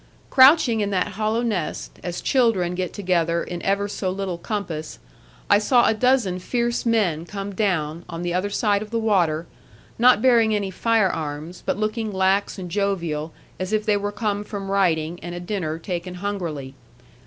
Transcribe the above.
Crouching in that hollow nest, as children get together in ever so little compass, I saw a dozen fierce men come down, on the other side of the water, not bearing any fire arms, but looking lax and jovial, as if they were come from riding and a dinner taken hungrily.